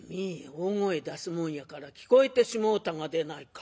大声出すもんやから聞こえてしもうたがでないか」。